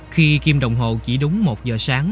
khi kim đồng hồ chỉ đúng một h sáng